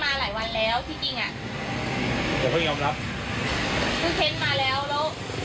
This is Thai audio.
เพราะว่าตอนที่จะขึ้นมันต้องได้ตายแล้วพอกับลูกชายคนเล็ก